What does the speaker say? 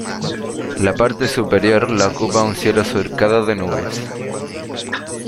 La parte superior la ocupa un cielo surcado de nubes.